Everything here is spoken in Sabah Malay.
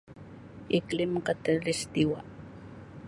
Iklim khatulistiwa.